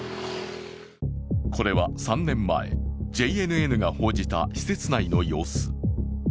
これは３年前、ＪＮＮが報じた施設内の様子。